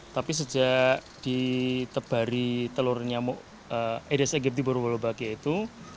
tapi sejak ditebari telur nyamuk aedes aegypti berwulbakia itu